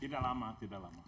tidak lama tidak lama